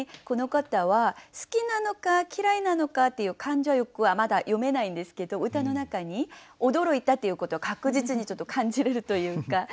この方は好きなのか嫌いなのかっていう感情はまだ読めないんですけど歌の中に驚いたということは確実に感じれるというか。